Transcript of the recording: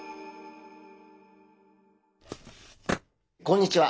こんにちは。